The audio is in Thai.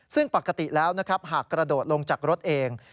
ซึ่งปกติแล้วนะครับหากกระโดดลงจากรถเอง